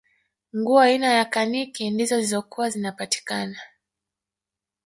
nguo aina ya kaniki ndizo zilizokuwa zinapatikana